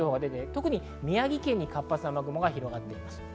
特に宮城県に活発な雨雲が出ています。